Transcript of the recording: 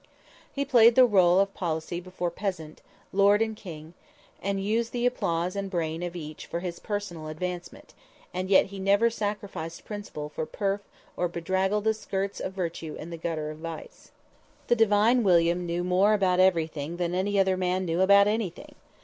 He played the rôle of policy before peasant, lord and king, and used the applause and brain of each for his personal advancement, and yet he never sacrificed principle for pelf or bedraggled the skirts of virtue in the gutter of vice. The Divine William knew more about everything than any other man knew about anything!